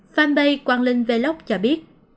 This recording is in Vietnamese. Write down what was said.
fanpage quang linh vlog cho biết